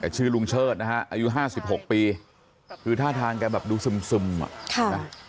ชื่อลุงเชิดนะฮะอายุห้าสิบหกปีคือท่าทางกันแบบดูซึมอ่ะ